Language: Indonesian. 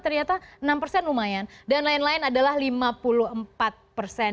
ternyata enam persen lumayan dan lain lain adalah lima puluh empat persen